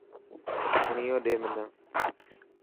فئنيون ڏي منا.